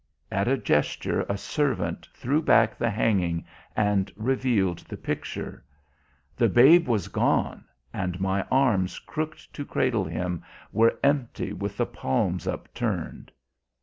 At a gesture a servant threw back the hanging and revealed the picture. The babe was gone and my arms crooked to cradle him were empty with the palms upturned.